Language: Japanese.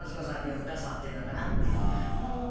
深さっていうのかな。